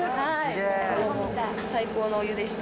最高のお湯でした。